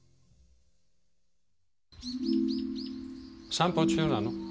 散歩中なの？